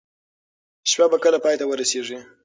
شپه به کله پای ته ورسیږي؟